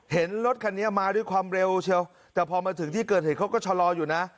เห็นรถคันนี้มาด้วยความเร็วเชียวแต่พอมาถึงที่เกิดเหตุเขาก็ชะลออยู่นะ